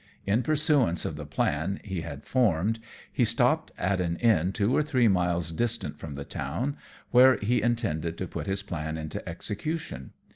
In pursuance of the plan he had formed, he stopped at an inn two or three miles distant from the town, where he intended to put his plan into execution.